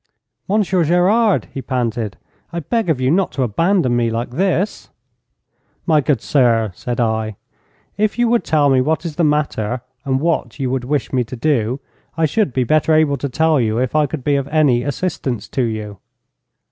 'Monsieur Gerard,' he panted, 'I beg of you not to abandon me like this!' 'My good sir,' said I, 'if you would tell me what is the matter and what you would wish me to do, I should be better able to tell you if I could be of any assistance to you.'